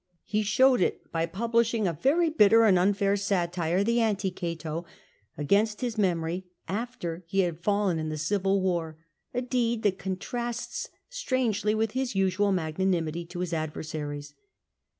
He showed it by publishing a very bitter and unfair satire, the ''Anti Cato,'' against his memory, after he had fallen in the civil war, a deed that contrasts strangely with his usual magnanimity to his adversaries.